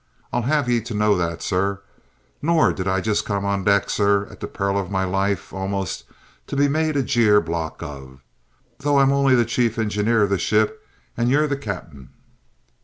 "I'll have ye to know that, sir. Nor did I come on deck, sir, at the peril of my life almost, to be made a jeer block of, though I'm only the chief engineer of the ship and you're the ca'p'en."